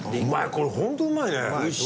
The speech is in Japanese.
これホントうまいね！